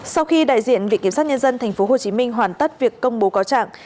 sau khi đại diện viện kiểm sát nhân dân tp hcm hoàn tất việc công bố cáo trạng